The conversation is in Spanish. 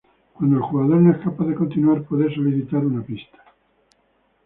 Cuando el jugador no es capaz de continuar, puede solicitar una pista.